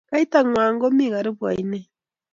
kaitangwany komii karibu oinet